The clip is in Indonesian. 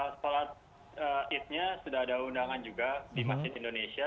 setelah itnya sudah ada undangan juga di masjid indonesia